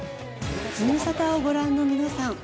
ズムサタをご覧の皆さん。